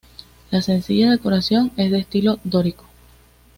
La sencilla decoración es de estilo dórico.